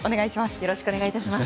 よろしくお願いします。